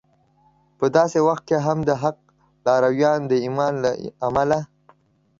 په داسې وخت کې هم د حق لارویان د ایمان له امله